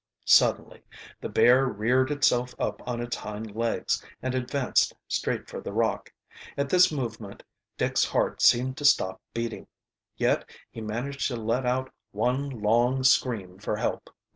Suddenly the bear reared itself up on its hind legs and advanced straight for the rock. At this movement Dick's heart seemed to stop beating. Yet he managed to let out one long scream for help.